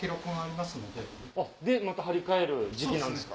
また張り替える時期なんですか？